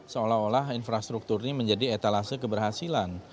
seolah olah infrastruktur ini menjadi etalase keberhasilan